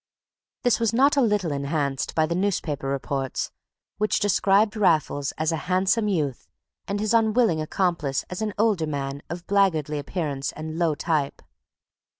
This was not a little enhanced by the newspaper reports, which described Raffles as a handsome youth, and his unwilling accomplice as an older man of blackguardly appearance and low type.